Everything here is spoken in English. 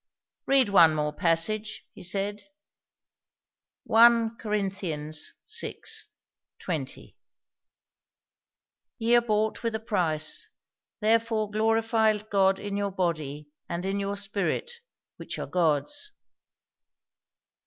"Read one more passage," he said. "1 Cor vi. 20." "'Ye are bought with a price; therefore glorify God in your body and in your spirit, which are God's.'